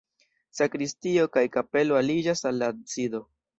Sakristio kaj kapelo aliĝas al la absido.